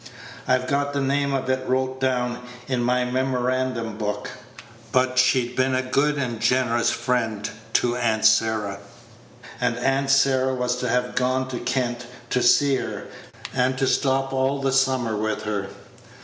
I've got the name of it wrote down in my memorandum book. But she'd been a good and generous friend to Aunt Sarah; and Aunt Sarah was to have gone to Kent to see her, and to stop all the summer with her.